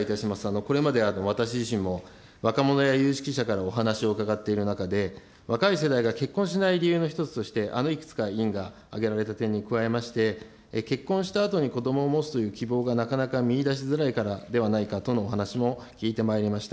これまで私自身も、若者や有識者からお話を伺っている中で、若い世代が結婚しない理由の１つとして、いくつか委員が挙げられた点に加えまして、結婚したあとにこどもを持つという希望がなかなか見いだしづらいからではないかとのお話も聞いてまいりました。